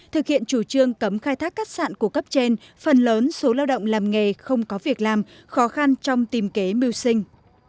thực hiện chủ trương cấm khai thác cát sạn của cấp trên phần lớn số lao động làm nghề không có việc làm khó khăn trong tìm kế mưu sinh